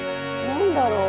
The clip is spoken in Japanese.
何だろう？